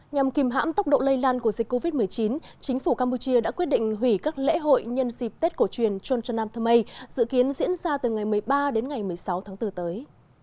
nhằm kìm hãm tốc độ lây lan của dịch covid một mươi chín chính phủ campuchia đã quyết định hủy các lễ hội nhân dịp tết cổ truyền tron nam thơ mây dự kiến diễn ra từ ngày một mươi ba đến ngày một mươi sáu tháng bốn tới